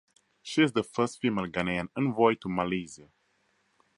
She is the first female Ghanaian envoy to Malaysia.